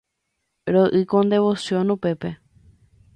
Ro'y con devoción upépe.